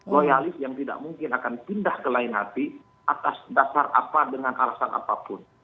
loyalis yang tidak mungkin akan pindah ke lain hati atas dasar apa dengan alasan apapun